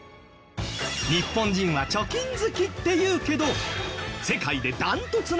日本人は貯金好きっていうけど世界でダントツなのは日本？